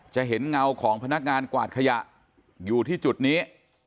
จะเห็นเงาของพนักงานกวาดขยะอยู่ที่จุดนี้